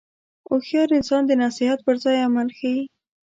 هوښیار انسان د نصیحت پر ځای عمل ښيي.